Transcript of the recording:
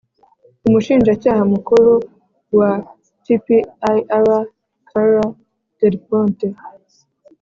umushinjacyaha mukuru wa tpir, carla delponte,